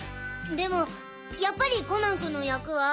でもやっぱりコナン君の役は。